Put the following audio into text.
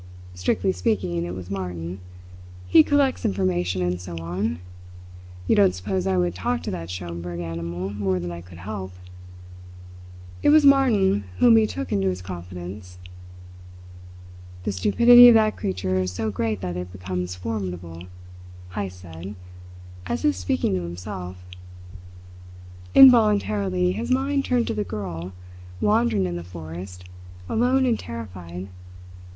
Strictly speaking, it was Martin. He collects information, and so on. You don't suppose I would talk to that Schomberg animal more than I could help? It was Martin whom he took into his confidence." "The stupidity of that creature is so great that it becomes formidable," Heyst said, as if speaking to himself. Involuntarily, his mind turned to the girl, wandering in the forest, alone and terrified.